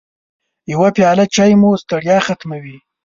يوه پیاله چای مو ستړیا ختموي.